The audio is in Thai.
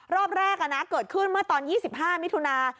รอบแรกเกิดขึ้นเมื่อตอน๒๕มิถุนา